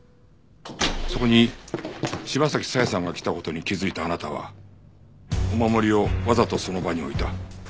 そこに柴崎佐江さんが来た事に気づいたあなたはお守りをわざとその場に置いた。